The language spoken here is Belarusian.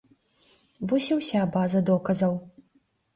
Вось і ўся база доказаў.